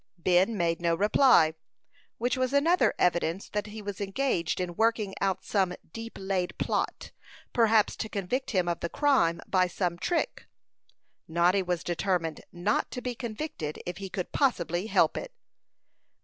Ben made no reply, which was another evidence that he was engaged in working out some deep laid plot, perhaps to convict him of the crime, by some trick. Noddy was determined not to be convicted if he could possibly help it.